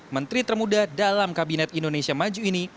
menteri termuda dalam kabinet indonesia maju ini